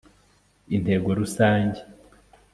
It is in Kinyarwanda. intego rusange